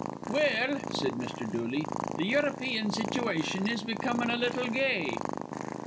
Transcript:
"Well," said Mr. Dooley, "th' European situation is becomin' a little gay."